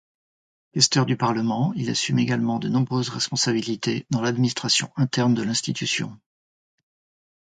Questeur du parlement, il assume également de nombreuses responsabilités dans l'administration interne de l'institution.